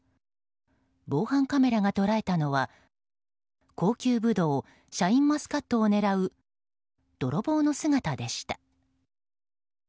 防犯カメラが捉えたのは高級ブドウシャインマスカットを狙う泥棒の姿でした。